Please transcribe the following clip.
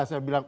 di situ lah